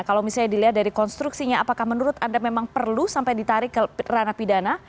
kalau misalnya dilihat dari konstruksinya apakah menurut anda memang perlu sampai ditarik ke ranah pidana